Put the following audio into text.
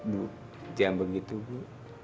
bu jangan begitu bu